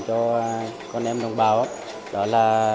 cho con em đồng bào đó là